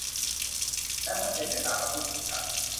และไม่เป็นไปตามคำพูดของฉัน